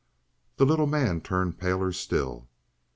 The little man turned paler still.